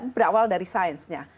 berawal dari sainsnya